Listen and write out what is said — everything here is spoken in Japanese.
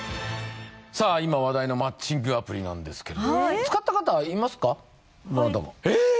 さあ今話題のマッチングアプリなんですけど使った方はいますかはいえっ！？